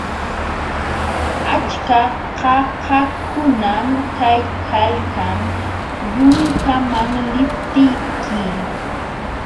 Achka qaqakunam kaykalkan yunkaman liptiyki.